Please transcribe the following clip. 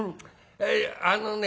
あのね